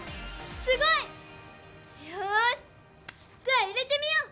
すごい！よしじゃあ入れてみよう！